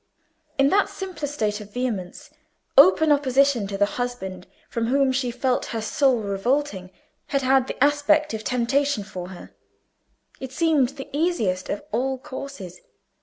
In that simpler state of vehemence, open opposition to the husband from whom she felt her soul revolting had had the aspect of temptation for her; it seemed the easiest of all courses.